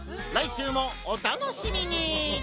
来週もお楽しみに！